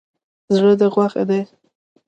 زړه ده غوښی دی